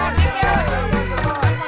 aduh aduh aduh